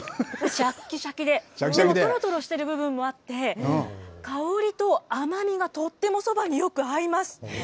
しゃっきしゃきで、でもとろとろしてる部分もあって、香りと甘みがとってもそばによく合います。